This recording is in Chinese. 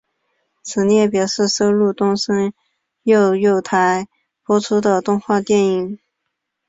此列表示收录东森幼幼台播出过的动画电影。